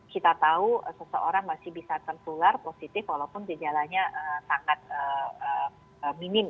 kita tahu seseorang masih bisa tertular positif walaupun gejalanya sangat minim